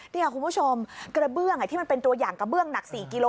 นี่คุณผู้ชมกระเบื้องที่มันเป็นตัวอย่างกระเบื้องหนัก๔กิโล